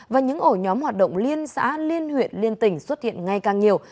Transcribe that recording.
và những ổ nhóm hoạt động liên xã liên huyện liên tỉnh xuất hiện ngay càng nhiều